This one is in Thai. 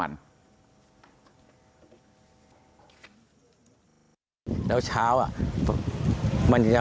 หรือเช้า